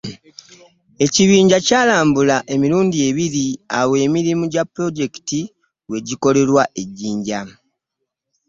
Ekibinja kya kyalambula emirundi ebiri awo emirimu gya Pulojekiti wegikolerwa e Jinja.